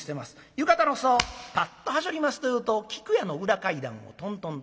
浴衣の裾をパッとはしょりますというと菊屋の裏階段をトントントン。